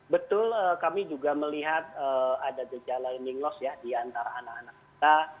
betul kami juga melihat ada gejala earning loss ya di antara anak anak kita